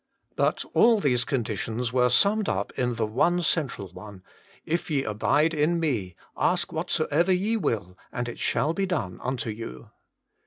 But all these conditions were summed up in the one central one : "If ye abide in Me, ask whatsoever ye will and it shall be done unto you."